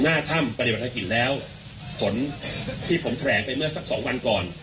หน้าถ้ำปฏิบัติภารกิจแล้วผลที่ผมแถลงไปเมื่อสักสองวันก่อน